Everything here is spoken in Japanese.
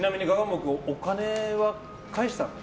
君お金は返したの？